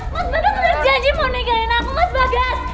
mas bagas janji mau nikahin aku mas bagas